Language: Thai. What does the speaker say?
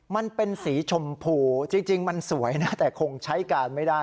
มันเป็นสีชมพูจริงมันสวยนะแต่คงใช้การไม่ได้